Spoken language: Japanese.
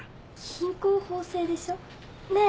品行方正でしょ？ねえ？